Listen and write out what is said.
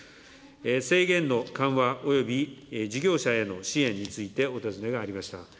制限の緩和および事業者への支援についてお尋ねがありました。